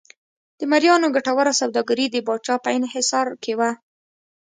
د مریانو ګټوره سوداګري د پاچا په انحصار کې وه.